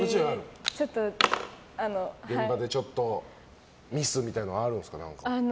現場でミスみたいなのはあるんですか？